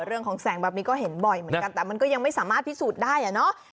เรื่องของแสงแบบนี้ก็เห็นบ่อยเหมือนกันแต่มันก็ยังไม่สามารถพิสูจน์ได้อ่ะเนาะ